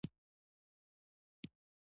زه به لاړ سم.